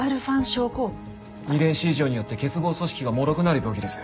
遺伝子異常によって結合組織がもろくなる病気です。